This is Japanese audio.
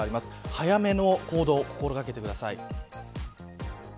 早めの行動を心掛けてください。